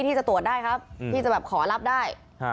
ที่จะตรวจได้ครับที่จะแบบขอรับได้